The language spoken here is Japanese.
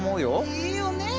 いいよねえ